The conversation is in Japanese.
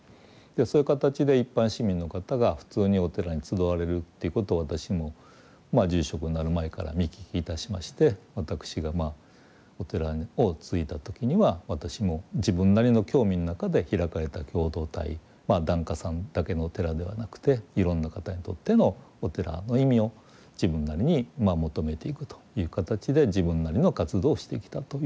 そういう形で一般市民の方が普通にお寺に集われるっていうことを私も住職になる前から見聞きいたしまして私がお寺を継いだ時には私も自分なりの興味の中で開かれた共同体檀家さんだけのお寺ではなくていろんな方にとってのお寺の意味を自分なりに求めていくという形で自分なりの活動をしてきたという。